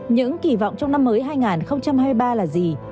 những kỳ vọng trong năm mới hai nghìn hai mươi ba là gì